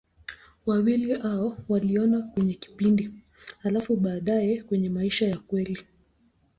Wawili hao waliona kwenye kipindi, halafu baadaye kwenye maisha ya kweli.